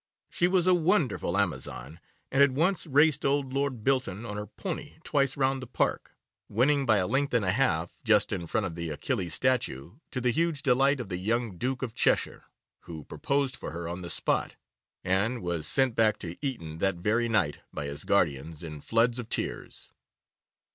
She was a wonderful amazon, and had once raced old Lord Bilton on her pony twice round the park, winning by a length and a half, just in front of the Achilles statue, to the huge delight of the young Duke of Cheshire, who proposed for her on the spot, and was sent back to Eton that very night by his guardians, in floods of tears.